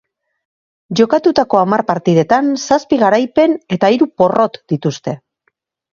Jokatutako hamar partidetan zazpi garaipen eta hiri porrot dituzte.